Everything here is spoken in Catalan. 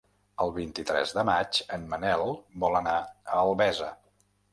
El vint-i-tres de maig en Manel vol anar a Albesa.